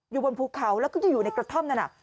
อยู่บนภูเขาแล้วก็จะอยู่ในกระท่อมนั้น